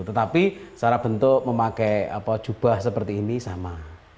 tetapi cara bentuk memakai jubah seperti ini sama